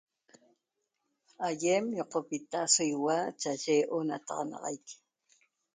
Aiem yocopita so iuaa chaaye onataxanaxanaiq